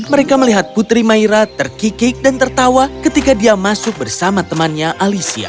mereka melihat putri maira terkikik dan tertawa ketika dia masuk bersama temannya alicia